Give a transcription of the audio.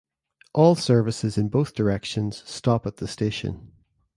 All services in both directions stop at the station.